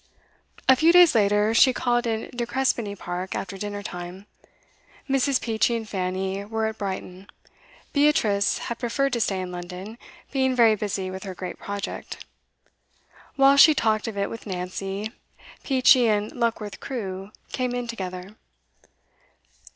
A few days later, she called in De Crespigny Park after dinnertime. Mrs. Peachey and Fanny were at Brighton; Beatrice had preferred to stay in London, being very busy with her great project. Whilst she talked of it with Nancy, Peachey and Luckworth Crewe came in together.